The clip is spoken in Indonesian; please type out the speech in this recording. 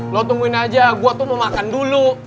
lo tungguin aja gue tuh mau makan dulu